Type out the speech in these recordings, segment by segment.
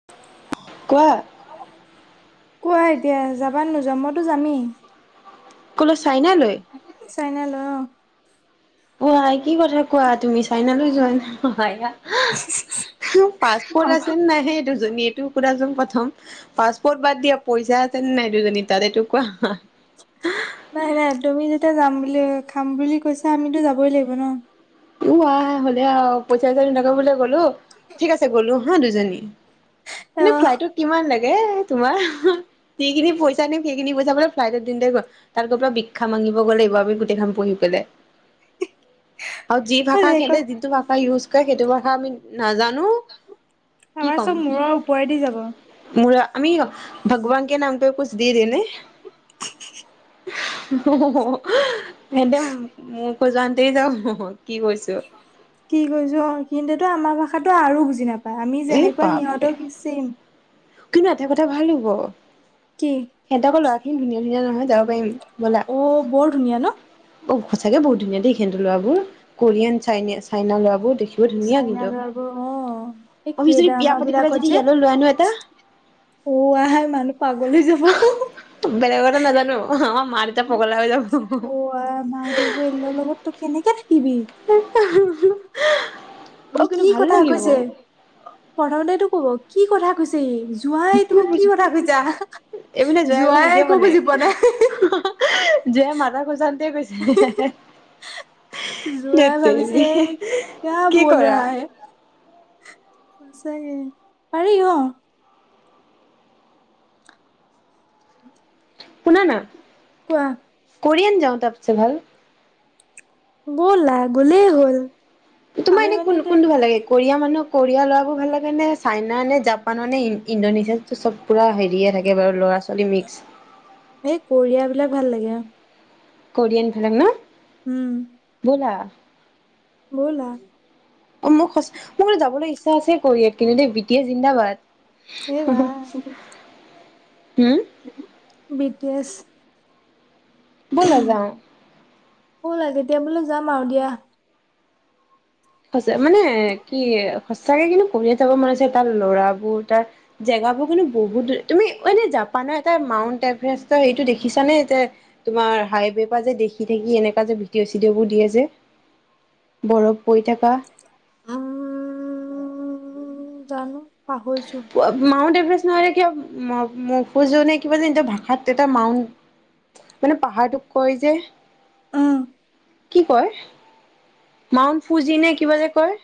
[unintelligible] কোৱা? কোৱা এতিয়া যাবা নে নোযোৱা? মইটো যামেই। কলৈ চাইনা লৈ? চাইনা লৈ অহ। অ আই কি কথা কোৱা তুমি চাইনালৈ যোৱা পাছপৰ্ট আছে নে নাই সেই দুজনী টো সুধাচোন প্ৰথম পাছপৰ্ট বাদ দিয়া পইছা আছে নে নাই দুজনী তাত এইটো কোৱা? নাই নাই তুমি যেতিয়া যাম বুলি খাম বুলি কৈছা আমিতো যাবই লাগিব ন। উ আৱ হ'লে আৱ পইছা চইছা নোহোৱাকে বোলে গ'লো। ঠিক আছে গ'লো হা দুজনী অ এনে ফ্লাইটত কিমান লাগে তোমাৰ উহো? যিখিনি পইছা নিম সেইখিনি পইছা বোলে ফ্লাইটত দিঙতে গ'ল। তাত গৈ পেলাই ভিক্ষা মাঙিবগৈ লাগিব আমি গোটেইখন বহি পেলাই। আৰু যি ভাষা সেতে যিটো ভাষা ইউজ কৰে সেইটো ভাষা আমি নাজানো। কি আমাৰ কম? চব মূৰৰ ওপৰেদি যাব মোৰা, আমি ভগৱান কে নাম পে কুছ দে দে নে। সেতেম মুখ খজুৱাতেই যাব কি কৈছে? কি কৈছা? কি কৈছ? কিন্তুটো আমাৰ ভাষাতো আৰু বুজি নাপায় আমি এই যেনেকুৱা বাপৰে সিহঁতেও সি চেইম। কিন্তু এটা কথা ভাল হ'ব কি সিহঁত আকৌ ল'ৰা খিনি ধুনীয়া ধুনীয়া নহয় যাব পাৰিম বলা। অঁ বৰ ধুনীয়া নহ? অ, সঁচাকে বহুত ধুনীয়া দেই সিহঁতৰ লৰাবোৰ কোৰিয়ান চাইনে -চাইনা ল'ৰাবোৰ দেখিও চাইনা লৰাবোৰে অহ, এ আমি কে যদি বিয়া ড্ৰামা পাতি পেলাই বিলাকত যদি যে ইয়ালৈ লৈ আনো এটা অ, আহাই মানুহ পাগলী যাব। বেলেগৰটো নাজানো আমাৰ মা দেউতা পগলা হৈ যাব। মা দেউ [unintelligible] লগত তো কেনেকে থাকিবি? [unintelligible] অ ই কিন্তু কি ভালো কথা লাগিব কৈছে প্ৰথমেইটো ক'ব। কি কথা কৈছে ই জোৱাই একো তুমি বুজ কি কথা কৈছা? জোৱাই একো বুজি পোৱা নাই। [unintelligible] জোৱাই মাথা খুযাওঁতে গৈছে। [unintelligible] ধেট জোঁৱাই তেৰি ভাবিছে কিয়া কি বল কৰা? চাগে পাৰি অ' শুনা না কোৱা কৰিয়ান যাও তাটছে ভাল। ব'লা গ'লেই হ'ল তোমাৰ আমি এনে মানে কোন এতিয়া কোনটো ভাল লাগে কোৰিয়া মানুহক কৰিয়া ল'ৰাবোৰ ভাল লাগে নে চাইনা নে জাপানৰ নে ইণ্ডোনেছিয়াটো চব পুৰা হেৰিয়ে থাকে বাৰু ল'ৰা -ছোৱালী মিক্স। এই কৰিয়া বিলাক ভাল লাগে অ কোৰিয়ান ভিলেন ন? উম, ব'লা। ব'লা। অ, মোৰ সঁচা মোৰ যাবলৈ ইচ্ছা আছে কৰিয়াত কিন্তু দেই বি টি এ এই জিন্দাবাদ। বা [unintelligible] হম, বি টি এছ ব' লা যাওঁ। ব'লা কেতিয়া বোলে যাম আৰু দিয়া। সঁচা মানে কি সঁচাকে কিন্তু [unintelligible] তাত লৰাবোৰে তাত মন আছে তাৰ ল'ৰাবোৰ তাত জেগাবোৰ কিন্তু বহুত তুমি এনে জাপানৰ এটা মাউণ্ট এভাৰেষ্টৰ এইটো জাপান নেৰ যে তোমাৰ হাইৱে পা দেখি- দেখি এনেকা যে ভিডিঅ' -চিডিঅ' বোৰ দিয়ে যে বৰফ আহ। আ, জানো পাহৰিছোঁ। মাউণ্ট এভাৰেষ্ট নহলে কিয় মফুজুনে কিবা ইন্তৰ ভাষাত এটা মাউ মানে পাহাৰটোক কয় যে অ', কি কয় মাউণ্ট ফুজি নে কিবা যে কয়?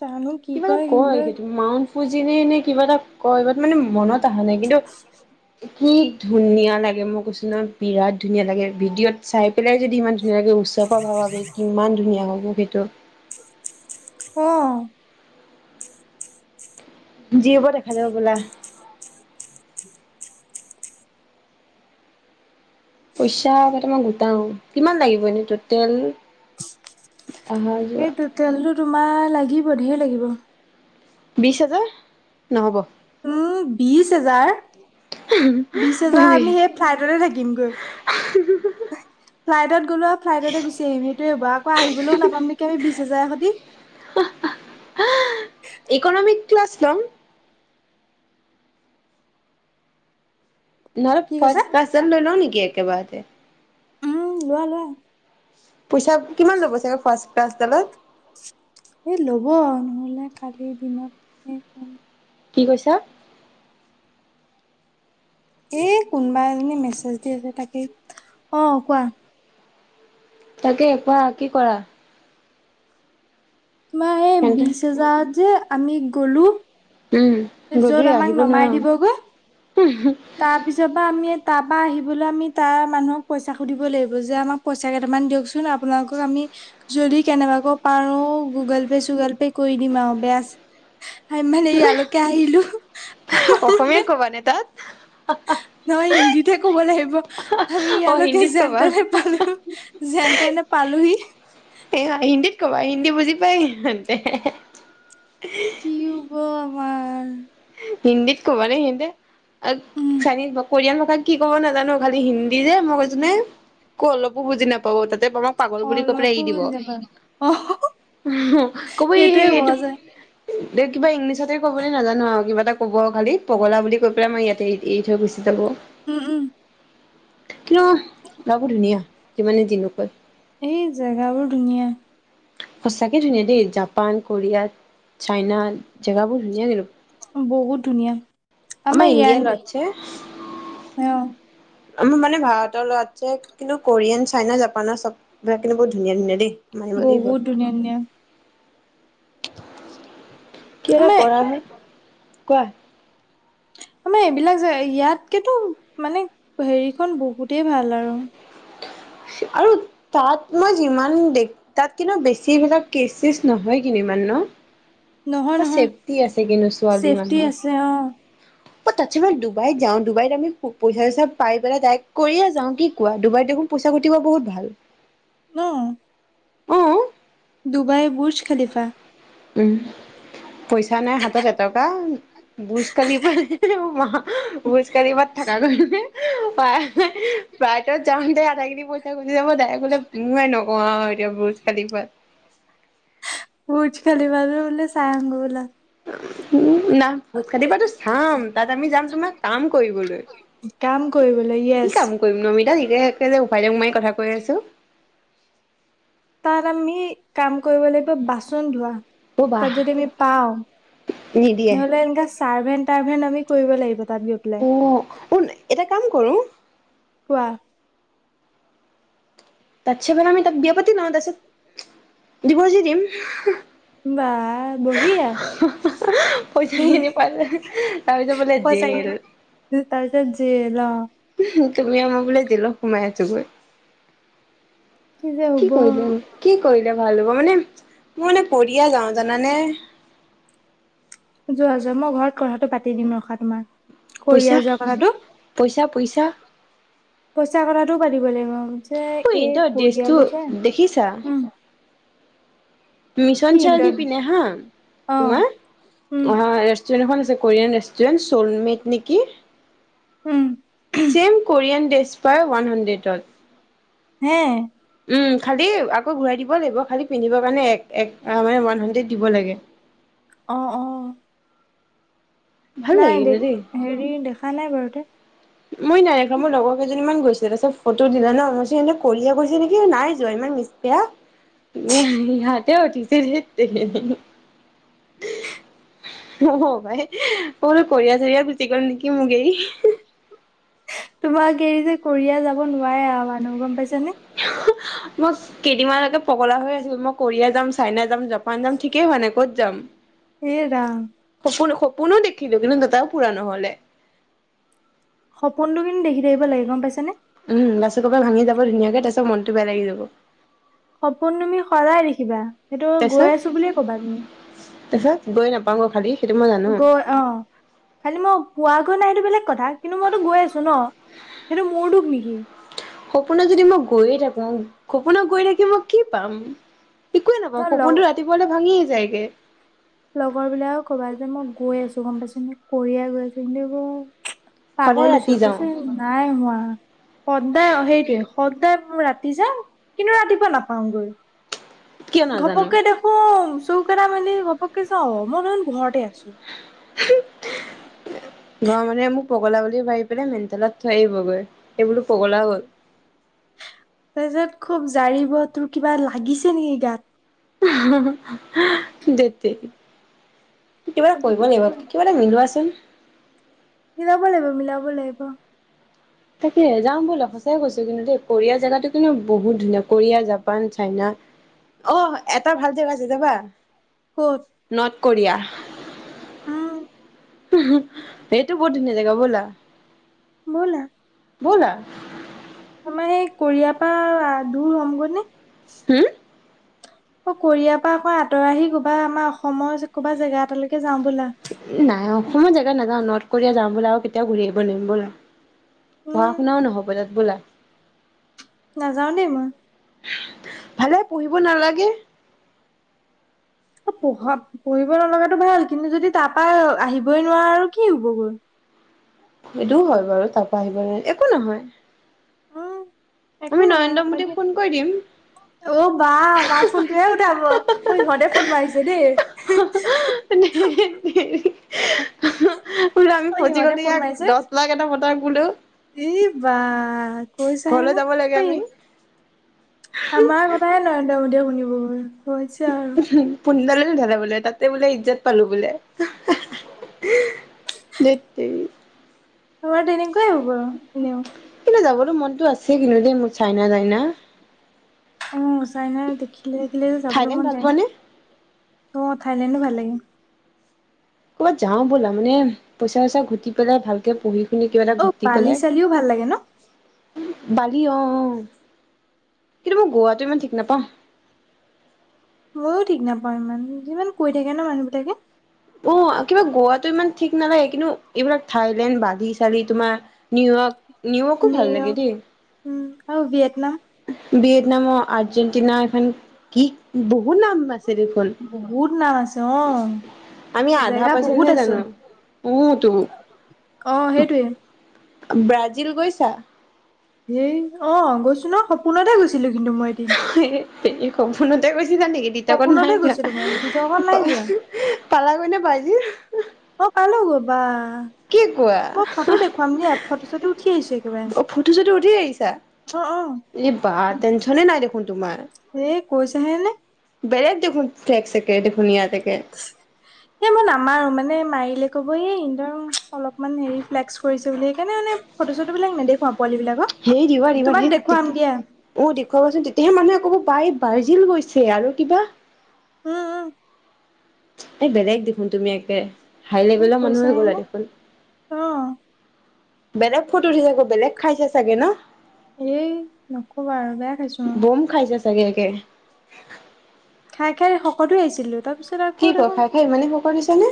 জানো কি? কিবা এটা কয় সেইটো মাউণ্ট ফুজিনে নে -নে কিবা এটা কয় বাত মানে মনত আহা নাই কিন্তু কি ধুনীয়া লাগে মই কৈছো নহয় বিৰাট ধুনীয়া লাগে ভিডিঅ'ত চাই পেলাই যদি ইমান ধুনীয়া লাগে ওচৰ পা ভাৱা বে কিমানধুনীয়া হ'ব সেইটো। অ', যি হ'ব দেখা যাব ব'লা। [inaudible] পইচা কেইটামান গোটাওঁ। কিমান লাগিব এনে টোটেল? আহা যোৱা সেই তেলটো তোমাৰ লাগিব ধেৰ লাগিব। বিছ হাজাৰ? নহ'ব। উম, বিছ হেজাৰ -বিছ হেজাৰ আমি সেই ফ্লাইটতে থাকিম গৈ ফ্লাইটত গলো আও ফ্লাইটতে গুচি আহিম সেইটোৱে বা আকৌ আহিবলৈও নাপাম নেকি আমি বিছ হাজাৰে সতি? [unintelligible] ইকনমিক ক্লাছ লম। নহ'লে কি ফাষ্ট কৈছা ক্লাছত লৈ লওঁ নেকি একে বাৰতে। উম, লোৱা-লোৱা। পইচা কিমান ল'ব চাগে ফাষ্টক্লাছ ডালত। এ ল'ব আও নহ'লে আজিৰ দিনত এ কি কৈছা? এই কোনবা এজনীয়ে মেছেজ দি আছে তাকে অ, কোৱা। তাকে কোৱা কি কৰা? তোমাৰ সে সিহঁতে বিছ হাজাৰত যে আমি গলোঁ উম, গধূলি আহিব দিবগৈ নোৱাৰ'উহ-হো তাৰ পিছৰ পা আমি তা পা আহিবলৈ আমি তাৰ মানুহক পইচা সুধিব লাগিব যে আমাক পইচা কেইটকা মান দিয়কচোন আপোনালোকক আমি যদি কেনেবাকৈ পাৰো গুগল পে-চুগল পে কৰি দিম আও বেয়া চে আমি মানে ইয়ালৈকে আহিলোঁ [unintelligible] অসমীয়াত ক'বানে তাত? নহ'য হিন্দীতহে ক'ব লাগিব। আমি অ ইয়ালৈকে হিন্দীত যেন কবা -তেনেহে পালোঁ যেন তেনে পালোহি। এ হা হিন্দীত ক'বা হিন্দী বুজি পায় সিহঁতে। কি হ'ব আমা? হিন্দীত কবা নে সিহঁতে আ, উম চাইনিজ বা কোৰিয়ান ভাষাত কি ক'ব নাজানো খালি হিন্দী যে মই কৈছোনে কো অলপো বুজি নাপ পাব তাতে তোমাক পাগল বুলি কৈপেলাই অলপো এৰি হৈ দিব। যাবা অ [unintelligible] কব এই সেইটোয়ে এইটো কোৱা যায় দে কিবা ইংলিছতে ক'বলে নাজানো আও। কিবা এটা ক'ব খালি পগলা বুলি কৈ পেলাই মই ইয়াতে এই এৰি থৈ গুচি যাব। উম - উম। কিয় ল'ৰাটো ধুনীয়া যিমানে যি নকয়। এই জেগাবোৰ ধুনীয়া। সঁচাকে ধুনীয়া দেই জাপান, কোৰিয়া, চাইনা জেগাবোৰ ধুনীয়া কিন্ত। বহুত ধুনীয়া আমাৰ ইণ্ডিয়াৰ ইয়াৰ ল'ৰাতছে [unintelligible] অ আমাৰ মানে ভাৰতৰ ল'ৰাতচে কিন্তু কোৰিয়ান, চাইনা, জাপানৰ চববিলাক কিন্তু বহুত ধুনীয়া -ধুনীয়া দে। বহুত ধুনীয়া- ধুনীয়া। কিবা এটা আমাৰ কৰাহে কোৱা? আমাৰ এইবিলাক জেগা ইয়াতকেতো মানে হেৰিখন বহুতেই ভাল আৰু। আৰু তাত মই যিমান দেখি তাত কিন্তু বেছি বিলাক কেচ -চেছ নহয় কিন্তু ইমান ন? নহয় নহয় ত'চেফটি আছে কিন্তু ছোৱালী চেফটি মানুহ। আছে অ অ, তাছতে মই ডুবাইত যাওঁ ডুবাইত আমি পইচা -চইচা পাই পেলাই দায়েক কৰিয়ে যাওঁ কি কোৱা ডুবাইত দেখোন পইচা [unintelligible] বহুত ভাল। ন' অ ডুবাই বুৰ্জ খালিফা। উম, পইচা নাই হাতত এটকা ব্রুজ খালিফা [unintelligible] তাত যাওঁতে আধা খিনি পইচা গুচি যাব [unintelligible] আও নকওঁ আৰু এতিয়া ব্ৰোজ খালিফা। ব্ৰুজ খালিফা টো বোলে চায় আহোংগে বলা। উম, না। ব্ৰুজ খালিফাটো চাম তাত আমি যাম তোমাৰ কাম কৰিবলৈ কাম কৰিবলৈ কি য়েছ কাম? কৰিম ন' [unintelligible] একে যে উভাই দং মাৰি কথা কৈ আছোঁ। তাত আমি কাম কৰিব লাগিব বাচন -ধোৱা। অ' তাত বাহ যদি আমি পাওঁ নিদিয়ে নহ'লে এনেকা ছাৰ্ভেণ্ট টাৰভেন আমি কৰিব লাগিব তাত গৈ পেলাই। অহ, উন এটা কাম কৰোঁ। কোৱা? তাতচে ভাল আমি তাত বিয়া পাতি লওঁ তাৰপিছত ডিৰ্ভজ দি দিম। বাহ বঢ়িয়া, হি পইচাখিনি হি পালে তাৰপিছত বোলে হয় চাগে। জেল তাৰ তাত যে ল তুমি আও মই বোলে জেলত সোমাই আছোগৈ। যে কি হ'ব। কৰিলে কি কৰিলে ভাল হ'ব মানে মোৰ মানে শদিয়া যাওঁ জানানে। যোৱা যোৱা মই ঘৰত কথাটো পাতি দিম ৰখা তোমাৰ কুৰিয়া পইচা যোৱা কথাটো। পইচা পইচা ঐ পইচা কথাটো পাতিব লাগিব যে তই এই ড্ৰেছটো কৰিয়ালৈ যে, দেখিছা উম মিছন কি চাউলি পিনে হা তোমাৰ অ', উম, আহ ৰেষ্টুৰেণ্টখন আছে কোৰিয়ান ৰে ষ্টুৰেণ্ট চ'লমেট নেকি? উম ছেম কোৰিয়ান ড্ৰেছ পাই ওৱান হাণ্ড্ৰেতত হে। উম খালি আকৌ ঘূৰাই দিব লাগিব খালী পিন্ধিবৰ কাৰণে এক মানে ওৱান হাণ্ড্ৰেড দিব লাগে অ অ ভাল লাগে নাই দে কিন্তু দেই হেৰি দেখা নাই বাৰুতে মই নাই দেখা মোৰ লগৰ কেইজনীমান গৈছিলে তাৰপিছত ফটো দিলে ন মই কৈছো সিহঁতক কৰিয়া গৈছে নেকি নাই যোৱা ইমান মিছ বেয়া সিহঁতে উঠিছে দে তে হে হে হে অ ভাই মই বোলো কৰিয়া চৰিয়া গুচি গ'ল নেকি মোক এৰি তোমাক এৰি যে কৰিয়া যাব নোৱাৰে আৰু মানুহ গম পাইছ নে। মই কেইদিনমানলৈকে পগলা হৈ আছিলো মই কৰিয়া যাম চাইনা যাম জা পান যাম ঠিকেই হোৱা নাই ক'ত যাম। এ ৰাম। সপোন সপোনো দেখিলো কিন্তু দোটাও পুৰা নহ'লে। সপোনটো কিন্তু দেখি থাকিব লাগে, গম পাইছা নে! উম লাষ্টত গৈ পেলাই ভাঙি যাব ধুনীয়াকে তাৰপিছত মনটো বেয়া লাগি যাব। সপোন তুমি সদায় দেখিবা, সেইটো গৈ আছো বুলিয়ে ক'বা তুমি তাৰ পিছত গৈ নাপাও গৈ খালি। সেইটো মই জানো গৈ অ খালি মই পোৱাগৈ নাই এইটো বেলেগ কথা কিন্তু মইতো গৈ আছো ন সেইটো মোৰ দোষ নেকি? সপোনত যদি মই গৈয়ে থাকো সপোনত গৈ থাকি মই কি পাম? একোৱে নাপাও ধৰ লগ সপোনটো ৰাতিপুৱালে ভাঙিয়ে যায়গে। লগৰ বিলাও ক'বাত যাই মই গৈ আছো গম পাইছা নে কৰিয়াই গৈ আছো কিন্তু সদায় পাগল হৈছ ৰাতি যাওঁ কৈছে নাই হোৱা। সদায় অ সেইটোৱে সদায় মই ৰাতি যাম কিন্তু ৰাতিপুৱা নাপাওগৈ কিয় নাজানো। ঘপককে দেখো চকুকেইটা মেলি ঘপককে চাও মই দেখোন ঘৰতে আছো। [unintelligible] ঘৰৰ মানুহে মোক পগলা বুলি ভাবি পেলাই মেডিকেলত থৈ আহিবগৈ এই বোলো পগলা হ'ল তাৰপিছত খুব জাৰিব তোৰ কিবা লাগিছে নেকি গাত। ওহু হু আ ধেত তেৰি কিবা এটা কৰিব লাগিব, কিবা এটা মিলোৱাচোন মিলাব লাগিব মিলাব লাগিব। তাকে যাওঁ বলা সঁচাই কৈছো কিন্তু দেই কোৰিয়াৰ জেগাতো কিন্তু বহুত ধুনীয়া কৰিয়া, জাপান, চাইনা। অহ এটা ভাল জেগা আছে যাবা ক'ত নৰ্থ কোৰিয়া। উম ওহো সেইটো বহুত ধুনীয়া জেগা ব'লা ব'লা ব'লা তোমাৰ সেই কৰিয়াৰ পৰা দূৰ হ'মগৈ নে হম অ কৰিয়াৰ পৰা আকৌ আঁতৰ আহি ক'বা আমাৰ অসমৰ ক'বা জেগা এটালৈকে যাও বলা নাই অসমৰ জেগাত নাযাও নৰ্থ কোৰিয়া যাও বলা আৰু কেতিয়াও ঘূৰি আহিব নোৱাৰিম বলি পঢ়া উম শুনাও নহ'ব তাত বলা নাযাও দেই মই ভালে পঢ়িব নালাগে। পঢ়া পঢ়িব নলগাতো ভাল কিন্তু যদি তাৰ পৰা আহিবই নোৱাৰা আৰু কি হ'বগৈ। সেইটো হয় বাৰু তাৰ পৰা আহিব নোৱাৰিম একো নহয়। উম একো আমি নহয় নৰেন্দ্ৰ হয় দে। মোদীক ফোন কৰি দিম অ বা আমাৰ ফোনটোহে উঠাব সিহঁতে ফোন মাৰিছে দেই। বলো আমি অ ফজি ইহঁতে গলো ইয়াক দহ লৱাকেইটাক মাতক বোলো এই বা কৈ চাহে ন ঘৰলৈ যাব অ লাগে ই আমি আমাৰ কথাহে ন ৰেন্দ্ৰ মোডীয়ে শুনিব বোলে হৈছে আৰু হু ফোনডালে নোথালে বোলে তাতে বোলে ইজ্জত পালো বোলে আহা হে হে হি ধেত তেৰি আমাৰ তেনেকোৱাই হ'ব এনেও কিন্তু যাবতো মনতো আছে কিন্তু দেই মোৰ চাইনা টাইনা অ চাইনা দেখিলে থাকিলে যাবলৈ থাইলেণ্ড মন ভাল যায় নে পোৱা অ থাইলেণ্ডো ভাল লাগে। ক'বাত যাও ব'লা মানে পইচা চইচা ঘটি পেলাই ভাল কে পঢ়ি শুনি কিবা এটা অ ঘটি বালি পেলাই চালিও ভাল লাগে ন বালি অ অ কিন্তু মই গুৱাতো ইমান ঠিক নাপাও ময়ো ঠিক নাপাও ইমান যিমান কৈ থাকে ন মানুহ বিলাকে অ কিবা গুৱাতো ইমান ঠিক নালাগে কিন্তু এইবিলাক থাইলেণ্ড বালি চালি তোমাৰ নিউয়ৰ্ক নিউয়ৰ্কো ভাল লাগে দেই নিউয়ৰ্ক উ আৰু ভিয়েটনাম ভিয়েটনামৰ আৰ্জেণ্টিনা এখন কি বহুত নাম আছে দেখোন বহুত নাম আছে অ আমি আধা জেগা বহুত পাৰ্চেণ্টহে আছে জানো অহ তো অ সেইটোৱে ব্ৰাজিল গৈছা হেই অ গৈছো ন সপোনতে গৈছিলো কিন্তু মই এদিন হে হে ক সপোনতে গৈছিলা নেকি দিথকত সপোনতে নাইযোৱা গৈছিলো মই দিঠৌখন হে নাই যোৱা হে পালাগৈ নে ব্ৰাজিল অ পালোগৈ বা কি কোৱা হা হে কি হৈছে একেবাৰে অ ফটো চটো উঠি আহিছা অ অ এই বা টেনচনে নাই দেখোন তোমাৰ এই কৈছাহে নে বেলেগ দেখোন ঠেক চেকে দেখোন ইয়াত একে [unintelligible] এ মই নামাৰো মানে মাৰিলে কব এই ইন্দ অলপমান হেৰি ফ্লেক্স কৰিছে বুলি সেইকাৰণে মানে ফটো চটো বিলাক নেদেখুৱাও পোৱালি বিলাকক সেই দিবা দিবা সেই তোমাক দেখুৱাম তেতিয়া দিয়া অ দেখুৱাবাচোন তেতিয়াহে মানুহে ক'ব বা ই ব্ৰাজিল গৈছে আৰু কিবা উম উ এই বেলেগ দেখোন, তুমি একে। হাই এই লেভেলৰ মানুহে কৈছাই গ'লা নে দেখোন? অ বেলেগ ফটো উঠি চাগে, বেলেগ খাইছে চাগে ন'! এই নকবা আৰু বেয়া খাইছো মই বম খাইছা চাগে একে খাই -খাই সকলো আহিছিলোঁ। তাৰপিছত আকৌ কি ক'! দেখোন খাই- খাই ইমানে শকত হৈছ নে?